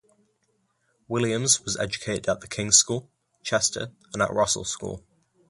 Williams was educated at The King's School, Chester, and at Rossall School.